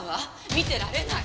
見てられない！